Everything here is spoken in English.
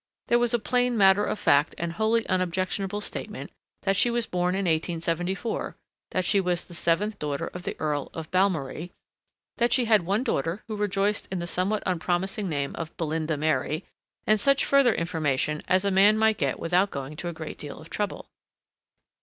There was a plain matter of fact and wholly unobjectionable statement that she was born in 1874, that she was the seventh daughter of the Earl of Balmorey, that she had one daughter who rejoiced in the somewhat unpromising name of Belinda Mary, and such further information as a man might get without going to a great deal of trouble.